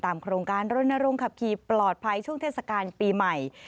โครงการรณรงค์ขับขี่ปลอดภัยช่วงเทศกาลปีใหม่